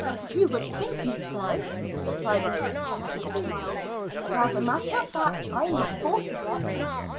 "You would think me so," replied Mrs. Tennant, with a smile; "but as a matter of fact I am not forty yet."